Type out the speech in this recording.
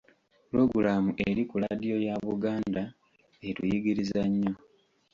Pulogulamu eri ku laadiyo ya Buganda etuyigiriza nnyo.